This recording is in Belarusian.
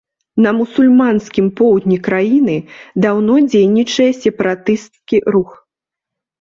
На мусульманскім поўдні краіны даўно дзейнічае сепаратысцкі рух.